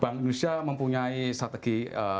bank indonesia mempunyai strategi